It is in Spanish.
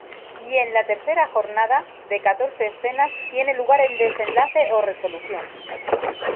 Y en la tercera jornada, de catorce escenas, tiene lugar el desenlace o resolución.